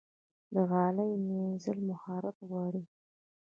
د غالۍ مینځل مهارت غواړي.